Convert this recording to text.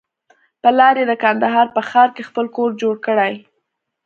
پلار يې د کندهار په ښار کښې خپل کور جوړ کړى.